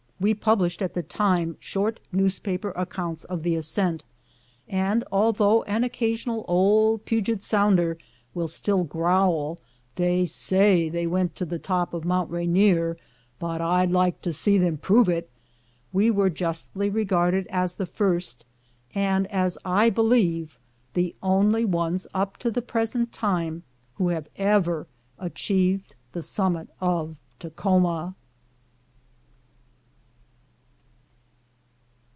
We published at the time short newspaper accounts of the ascent, and, although an occasional old Puget Sounder will still growl, "They say they went on top of Mount Rainier, but Td like to see them prove it, we were justly regarded as the first, and as I believe the only ones up to the present time, who have ever achieved the summit of Takhoma.